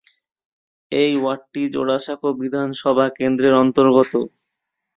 এই ওয়ার্ডটি জোড়াসাঁকো বিধানসভা কেন্দ্রের অন্তর্গত।